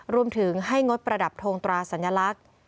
รวมถึงให้งดประดับโทงตราสัญลักษณ์